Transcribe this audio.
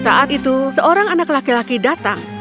saat itu seorang anak laki laki datang